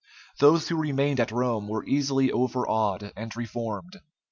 Those who remained at Rome were easily overawed and reformed.